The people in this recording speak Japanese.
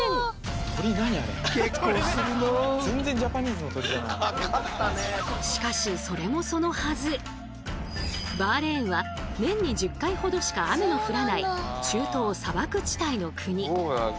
そしてこちらはしかしバーレーンは年に１０回ほどしか雨の降らない中東砂漠地帯の国。